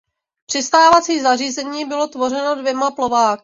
Přistávací zařízení bylo tvořeno dvěma plováky.